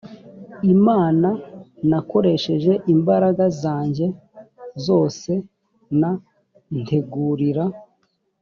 imana nakoresheje imbaraga zanjye zose n ntegurira